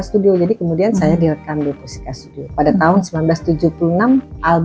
studio jadi kemudian saya direkam di musika studio pada tahun seribu sembilan ratus tujuh puluh enam album pertama saya keluar terusuk luri